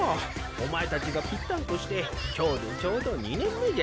お前たちがぴったんこして今日でちょうど２年目じゃ。